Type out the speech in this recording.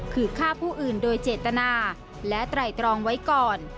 คือฆ่าผู้อื่นโดยเจตนาและไตรตรองไว้ก่อน